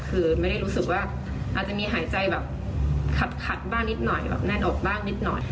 คือไม่ได้รู้สึกว่าอาจจะมีหายใจแบบขัดบ้างนิดหน่อยแบบแน่นอกบ้างนิดหน่อย